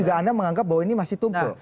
anda juga menganggap bahwa ini masih tumpul